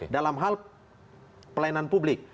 dalam hal pelayanan publik